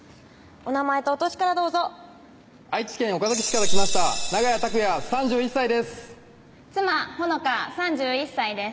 お名前とお歳からどうぞ愛知県岡崎市から来ました長谷卓也３１歳です妻・帆香３１歳です